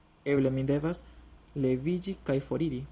Eble mi devas leviĝi kaj foriri?